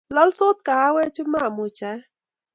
lolsot kahawechu mamuch aee